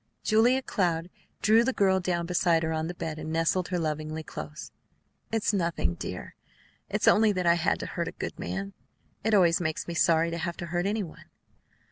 Julia Cloud drew the girl down beside her on the bed, and nestled her lovingly and close. "It's nothing, dear. It's only that I had to hurt a good man. It always makes me sorry to have to hurt any one."